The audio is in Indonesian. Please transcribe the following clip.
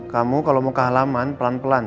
kamu kalau mau ke halaman pelan pelan